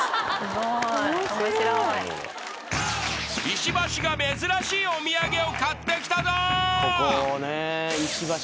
［石橋が珍しいお土産を買ってきたぞ］